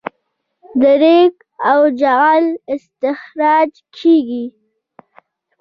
د ریګ او جغل استخراج کیږي